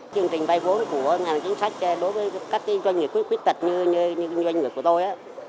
chương trình vai vốn của ngành chính sách đối với các doanh nghiệp khuyết tật như doanh nghiệp của tôi